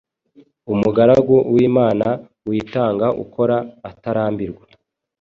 Umugaragu w’Imana witanga ukora atarambirwa,